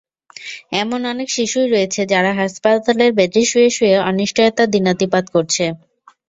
এমন অনেক শিশুই রয়েছে, যারা হাসপাতালের বেডে শুয়ে শুয়ে অনিশ্চয়তায় দিনাতিপাত করছে।